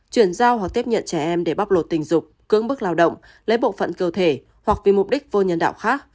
chuyển giao hoặc tiếp nhận trẻ em để bóc lột tình dục cưỡng bức lao động lấy bộ phận cơ thể hoặc vì mục đích vô nhân đạo khác